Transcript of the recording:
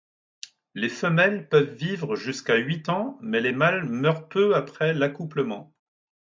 Les femelles peuvent vivre jusqu'à huit ans, mais les mâles meurent peu après l'accouplement.